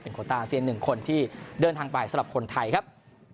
โคต้าอาเซียน๑คนที่เดินทางไปสำหรับคนไทยครับ